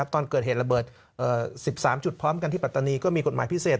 ตอนเกิดเหตุระเบิด๑๓จุดพร้อมกันที่ปัตตานีก็มีกฎหมายพิเศษ